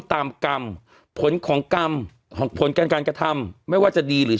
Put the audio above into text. ตามกรรมผลของกรรมของผลการการกระทำไม่ว่าจะดีหรือ